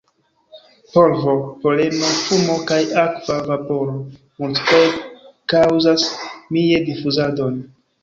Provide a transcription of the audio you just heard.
Polvo, poleno, fumo kaj akva vaporo multfoje kaŭzas Mie-difuzadon.